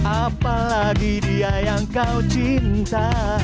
apalagi dia yang kau cinta